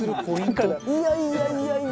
いやいやいやいや。